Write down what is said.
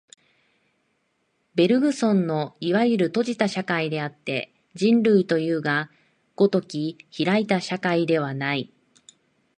ベルグソンのいわゆる閉じた社会であって、人類というが如き開いた社会ではない。